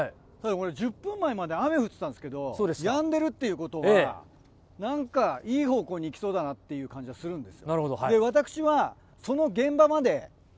１０分前まで雨降ってたんですけど、やんでるってことは、なんかいい方向に行きそうだなっていう感じがするんです。